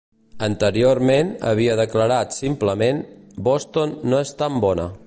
Anteriorment havia declarat simplement: "Boston no és tan bona".